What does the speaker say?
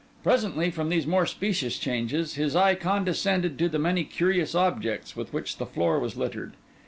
Presently from these more specious changes, his eye condescended to the many curious objects with which the floor was littered.